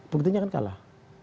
buktinya kan kalah